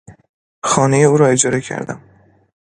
خانهی او را اجاره کردم.